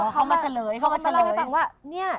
อ๋อเขามาเฉลยเขามาเฉลย